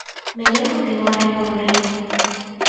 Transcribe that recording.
Mellor continuaren polo río.